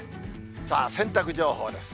さあ、洗濯情報です。